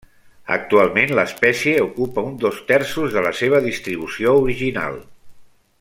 Actualment, l'espècie ocupa uns dos terços de la seva distribució original.